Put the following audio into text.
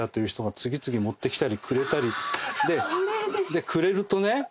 でくれるとね。